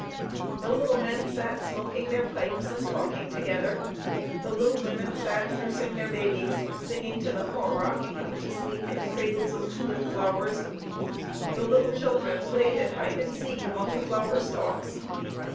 The little men sat smoking their pipes and talking together; the little women sat nursing their babies, singing to them or rocking them to sleep in cradles of tulip flowers; the little children played at hide and seek among the flower stalks.